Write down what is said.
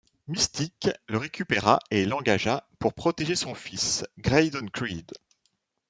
Mystique le récupéra et l'engagea pour protéger son fils, Graydon Creed.